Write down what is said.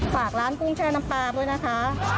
ฝากร้านกุ้งแช่น้ำปลาด้วยนะคะ